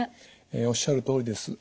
おっしゃるとおりです。